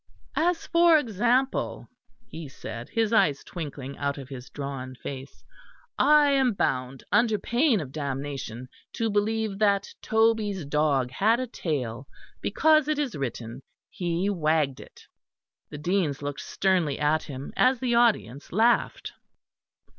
"As for example," he said, his eyes twinkling out of his drawn face, "I am bound under pain of damnation to believe that Toby's dog had a tail, because it is written, he wagged it." The Deans looked sternly at him, as the audience laughed.